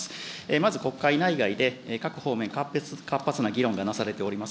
まず国会内外で、各方面活発な議論がなされております